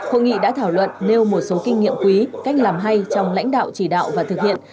hội nghị đã thảo luận nêu một số kinh nghiệm quý cách làm hay trong lãnh đạo chỉ đạo và thực hiện